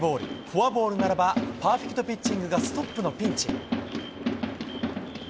フォアボールならば、パーフェクトピッチングがストップのピンチ。